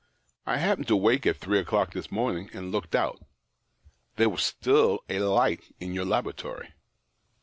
I happened to wake at three o'clock this morn ing, and looked out. There was still a light in your laboratory.